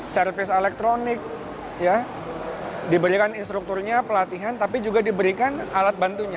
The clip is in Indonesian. servis elektronik diberikan instrukturnya pelatihan tapi juga diberikan alat bantunya